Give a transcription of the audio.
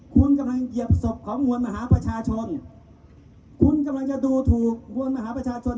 คุณกำลังเหยียบศพของมวลมหาประชาชนคุณกำลังจะดูถูกมวลมหาประชาชน